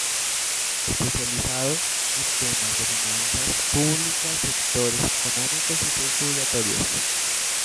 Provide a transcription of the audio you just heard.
Especializado en temas de finanzas públicas, sectores económicos y regulatorios.